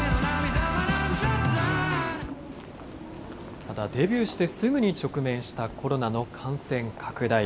ただデビューしてすぐに直面したコロナの感染拡大。